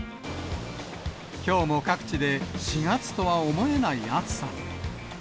きょうも各地で４月とは思えない暑さに。